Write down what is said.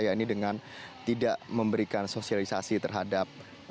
ya ini dengan tidak memberikan sosialisasi terhadap